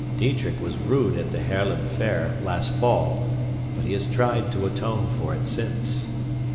Diedrich was rude at the Haarlem fair last fall, but he has tried to atone for it since.